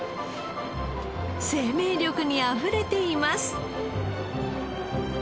生命力にあふれています。